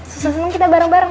susah senang kita bareng bareng